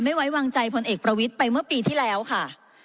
ไม่ไว้วางใจพลเอกประวิทย์ไปเมื่อปีที่แล้วค่ะ